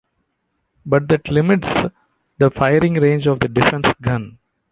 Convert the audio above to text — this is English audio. But that limits the firing range of the defense gun.